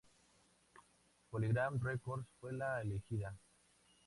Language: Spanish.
Polygram Records fue la elegida.